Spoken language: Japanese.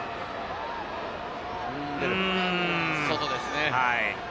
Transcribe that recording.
外ですね。